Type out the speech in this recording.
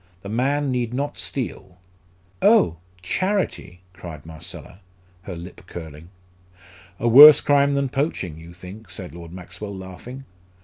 The man need not steal." "Oh, charity!" cried Marcella, her lip curling. "A worse crime than poaching, you think," said Lord Maxwell, laughing.